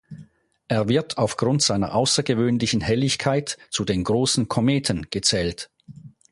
Er wird aufgrund seiner außergewöhnlichen Helligkeit zu den „Großen Kometen“ gezählt.